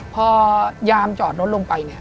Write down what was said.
พอยามจอดรถลงไป